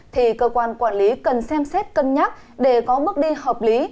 thì cơ quan quản lý cần xem xét cân nhắc để có bước đi hợp lý